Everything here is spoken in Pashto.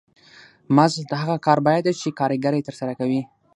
مزد د هغه کار بیه ده چې کارګر یې ترسره کوي